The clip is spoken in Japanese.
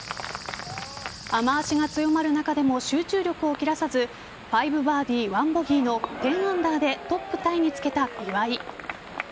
雨脚が強まる中でも集中力を切らさず５バーディー１ボギーの１０アンダーでトップタイにつけた岩井。